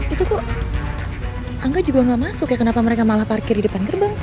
itu kok angga juga gak masuk ya kenapa mereka malah parkir di depan gerbang